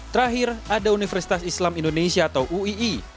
terakhir ada universitas islam indonesia atau uii